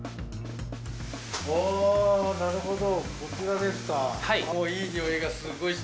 なるほど、こちらですか。